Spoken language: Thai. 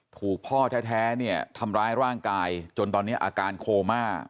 ถูกพ่อแท้เนี่ยทำร้ายร่างกายจนตอนนี้อาการโคม่า